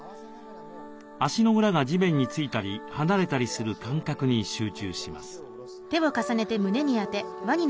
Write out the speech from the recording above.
足の裏が地面についたり離れたりする感覚に集中します。